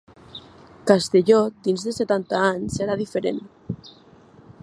Castelló dins de setanta anys serà diferent.